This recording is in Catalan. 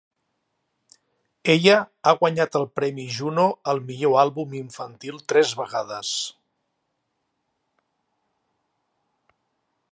Ella ha guanyat el Premi Juno al millor àlbum infantil tres vegades.